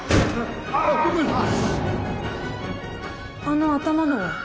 あの頭のは？